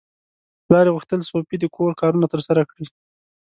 پلار یې غوښتل سوفي د کور کارونه ترسره کړي.